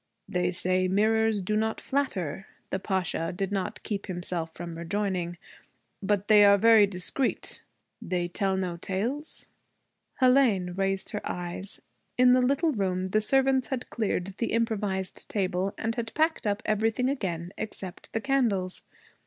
'They say mirrors do not flatter,' the Pasha did not keep himself from rejoining, 'but they are very discreet. They tell no tales?' Hélène raised her eyes. In the little room the servants had cleared the improvised table and had packed up everything again except the candles.